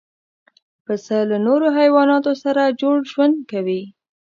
پسه له نورو حیواناتو سره جوړ ژوند کوي.